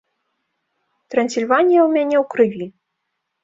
Трансільванія ў мяне ў крыві.